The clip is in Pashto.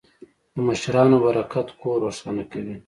د مشرانو برکت کور روښانه کوي.